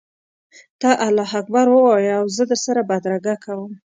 ته الله اکبر ووایه او زه در سره بدرګه کوم.